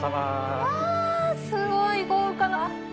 うわすごい豪華な。